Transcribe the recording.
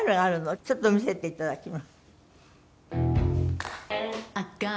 ちょっと見せていただきます。